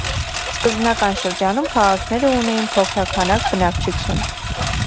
Սկզբնական շրջանում քաղաքները ունեին փոքրաքանակ բնակչություն։